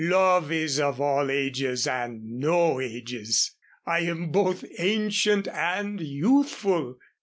"Love is of all ages and no ages. I am both ancient and youthful.